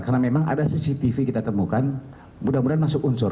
karena memang ada cctv kita temukan mudah mudahan masuk unsur